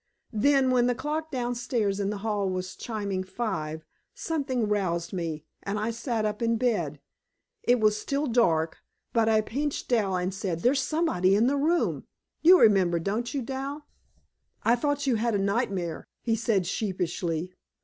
Then, when the clock downstairs in the hall was chiming five, something roused me, and I sat up in bed. It was still dark, but I pinched Dal and said there was somebody in the room. You remember that, don't you, Dal?" "I thought you had nightmare," he said sheepishly.